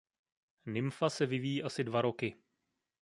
Nymfa se vyvíjí asi dva roky.